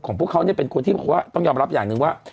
ของพวกเขาเนี่ยเป็นคนที่ต้องยอมระรับอย่างนึงว่า